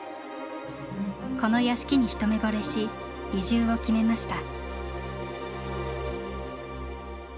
この屋敷に一目ぼれし移住を決めました。